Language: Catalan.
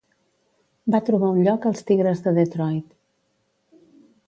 Va trobar un lloc als Tigres de Detroit.